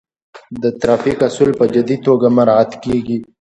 د ترافیک اصول په جدي توګه مراعات کیږي.